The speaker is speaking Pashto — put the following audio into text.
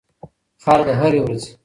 خر د هري ورځي